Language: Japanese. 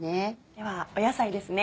では野菜ですね。